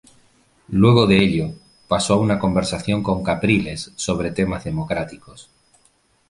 Luego de ello, pasó a una conversación con Capriles sobre temas democráticos.